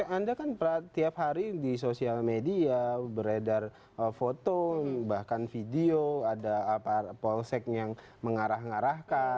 anda kan tiap hari di sosial media beredar foto bahkan video ada polsek yang mengarah ngarahkan